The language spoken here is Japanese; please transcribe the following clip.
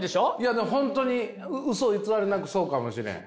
本当にうそ偽りなくそうかもしれん。